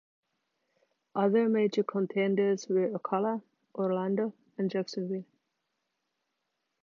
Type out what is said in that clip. Other major contenders were Ocala, Orlando, and Jacksonville.